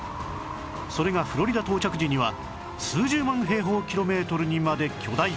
それがフロリダ到着時には数十万平方キロメートルにまで巨大化